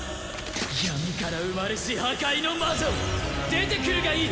闇から生まれし破壊の魔女！出てくるがいい！